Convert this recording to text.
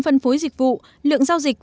phân phối dịch vụ lượng giao dịch